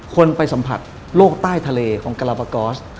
คนไปสัมผัสโลกใต้ทะเลของกรปากอส